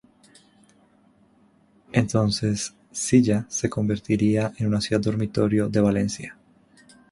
Entonces, Silla se convertiría en una ciudad dormitorio de Valencia.